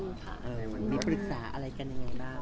องค์นมิปรึกษาอะไรกันยังไงบ้าง